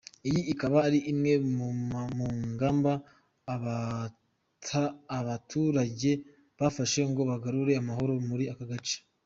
Iyi ikaba ari imwe mu ngamba ababaturage bafashe ngo bagarure amahoro muri aka gace.